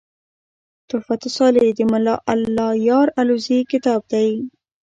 "تحفه صالح" دملا الله یار الوزي کتاب دﺉ.